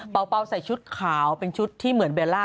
ใส่ชุดขาวเป็นชุดที่เหมือนเบลล่า